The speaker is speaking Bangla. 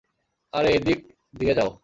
আরে এইদিক দিয়ে যাও।